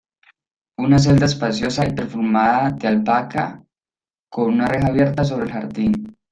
una celda espaciosa y perfumada de albahaca, con una reja abierta sobre el jardín